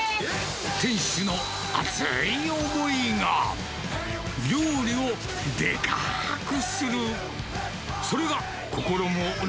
店主の熱い思いが、料理をでかくする。